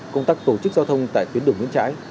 công tác tổ chức giao thông tại tuyến đường nguyễn trãi